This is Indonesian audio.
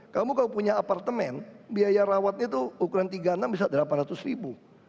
kamu kalau punya apartemen biaya rawatnya itu ukuran tiga puluh enam bisa delapan ratus ribu